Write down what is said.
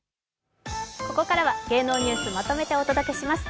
ここからは芸能ニュースをまとめてお届けします。